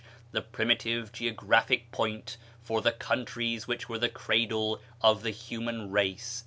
the primitive geographic point for the countries which were the cradle of the human race."